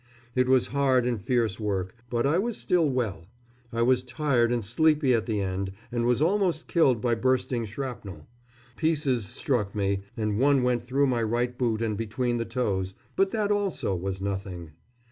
It was hard and fierce work; but I was still well. I was tired and sleepy at the end, and was almost killed by bursting shrapnel. Pieces struck me, and one went through my right boot and between the toes. But that also was nothing.